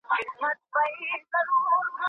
مامي سوګند پر هر قدم ستا په نامه کولای